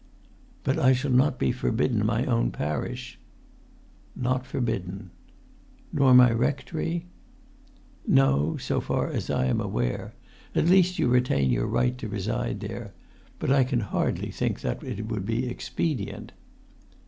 "But I shall not be forbidden my own parish?" "Not forbidden." "Nor my rectory?" "No; so far as I am aware, at least, you retain your right to reside there; but I can hardly think that it would be expedient."